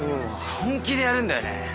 本気でやるんだよね？